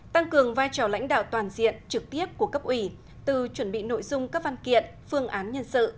tăng cường vai trò lãnh đạo toàn diện trực tiếp của cấp ủy từ chuẩn bị nội dung các văn kiện phương án nhân sự